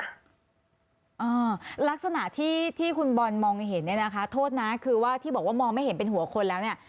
อ่าลักษณะที่ที่คุณบอลมองเห็นเนี่ยนะคะโทษนะคือว่าที่บอกว่ามองไม่เห็นเป็นหัวคนแล้วเนี่ย